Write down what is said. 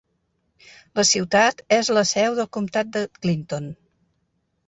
La ciutat és la seu del comtat de Clinton.